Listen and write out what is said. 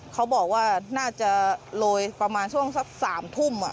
เขาบอกว่าน่าจะโรยประมาณช่วงสัก๓ทุ่ม